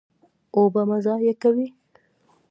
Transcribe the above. اوبه مه ضایع کوئ